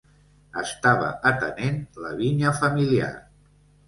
Estava atenent la vinya familiar.